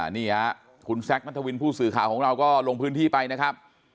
นี่ค่ะคุณแซคนัทวินผู้สื่อข่าวของเราก็ลงพื้นที่ไปนะครับ